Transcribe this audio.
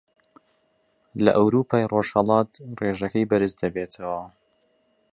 لە ئەورووپای ڕۆژهەڵات ڕێژەکەی بەرز دەبێتەوە